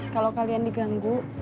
kalau kalian diganggu